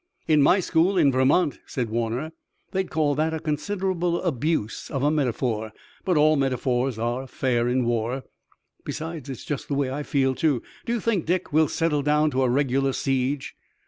"In my school in Vermont," said Warner, "they'd call that a considerable abuse of metaphor, but all metaphors are fair in war. Besides, it's just the way I feel, too. Do you think, Dick, we'll settle down to a regular siege?"